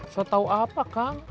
sotau apa kang